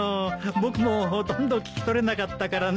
僕もほとんど聞き取れなかったからね。